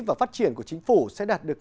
và phát triển của chính phủ sẽ đạt được